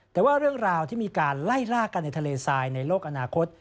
แต่ว่าเรื่องราวที่มีการไล่ล่ากันในทะเลทรายในโลกอนาคต